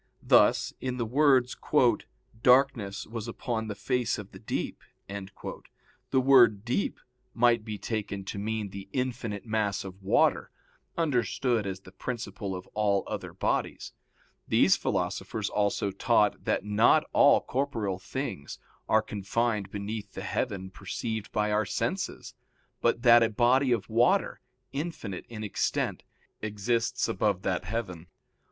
Thus in the words, "Darkness was upon the face of the deep," the word "deep" might be taken to mean the infinite mass of water, understood as the principle of all other bodies. These philosophers also taught that not all corporeal things are confined beneath the heaven perceived by our senses, but that a body of water, infinite in extent, exists above that heaven.